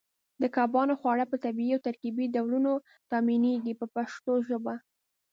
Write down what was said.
د کبانو خواړه په طبیعي او ترکیبي ډولونو تامینېږي په پښتو ژبه.